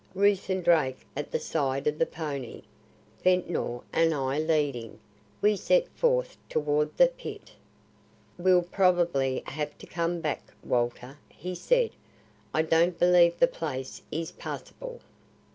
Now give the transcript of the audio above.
Ruth and Drake at the side of the pony, Ventnor and I leading, we set forth toward the Pit. "We'll probably have to come back, Walter," he said. "I don't believe the place is passable."